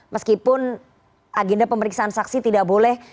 meskipun agenda pemeriksaan saksi tidak boleh